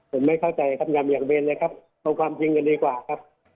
ผมไม่เข้าใจคำยำอย่างเบนเลยครับเอาความจริงกันดีกว่าครับ